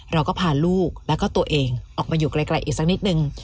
เราก็พาลูกแล้วก็ตัวเองออกมาอยู่ไกลอีกสักนิดนึง